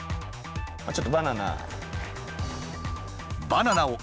ちょっとバナナ。